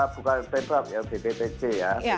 bukan pemprov ya bppc ya